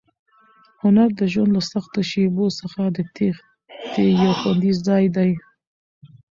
هنر د ژوند له سختو شېبو څخه د تېښتې یو خوندي ځای دی.